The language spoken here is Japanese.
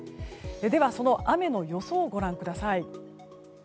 では、その雨の予想をご覧ください。